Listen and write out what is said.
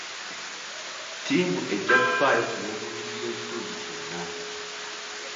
Ttiimu ejja kufaayo ku lw'obulungi bw'ekitundu kyonna.